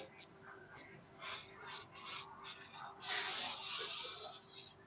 saya tidak akan menerima uang